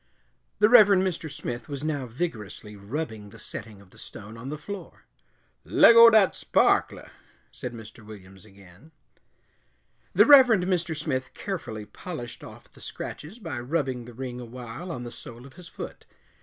The Reverend Mr. Smith was now vigorously rubbing the setting of the stone on the floor. "Leggo dat sparkler," said Mr. Williams again. The Reverend Mr. Smith carefully polished off the scratches by rubbing the ring awhile on the sole of his foot.